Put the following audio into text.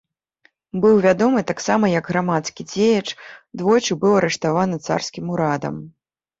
Быў вядомы таксама як грамадскі дзеяч, двойчы быў арыштаваны царскім урадам.